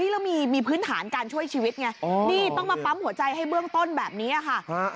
แล้วมีพื้นฐานการช่วยชีวิตไงนี่ต้องมาปั๊มหัวใจให้เบื้องต้นแบบนี้ค่ะ